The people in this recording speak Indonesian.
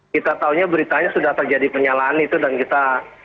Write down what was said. kita tahunya beritanya sudah terjadi penyalaan itu dan kita